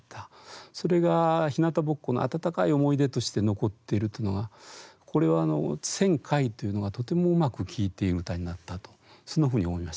それがひなたぼっこの温かい思い出として残ってるというのがこれはあの「千回」というのがとてもうまく効いている歌になったとそんなふうに思いましたね。